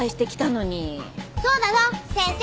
そうだぞ先生。